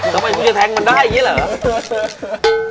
ทำไมคุณจะแทงมันได้อย่างนี้เหรอ